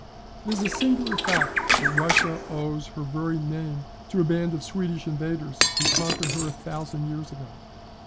] It is a singular fact that Russia owes her very name to a band of Swedish invaders who conquered her a thousand years ago.